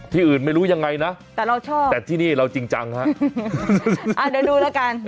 ที่อื่นไม่รู้ยังไงนะแต่เราชอบแต่ที่นี่เราจริงจังฮะอ่าเดี๋ยวดูแล้วกัน